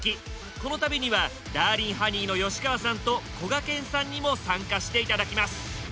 この旅にはダーリンハニーの吉川さんとこがけんさんにも参加して頂きます。